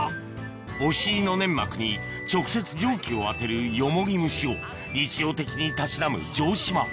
お尻の粘膜に直接蒸気を当てるヨモギ蒸しを日常的にたしなむ城島